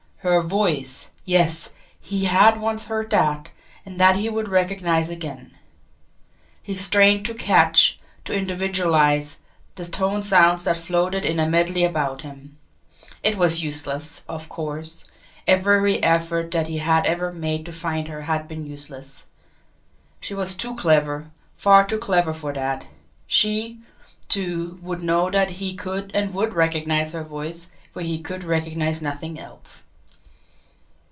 Her VOICE yes, he had once heard that, and that he would recognise again. He strained to catch, to individualise the tone sounds that floated in a medley about him. It was useless of course every effort that he had ever made to find her had been useless. She was too clever, far too clever for that she, too, would know that he could and would recognise her voice where he could recognise nothing else.